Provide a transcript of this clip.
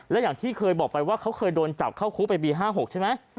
และอย่างที่เคยบอกไปว่าเขาเคยโดนจับเข้าคุกไปปี๕๖ใช่ไหม